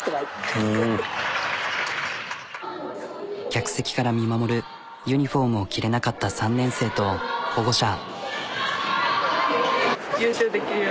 客席から見守るユニフォームを着れなかった３年生と保護者。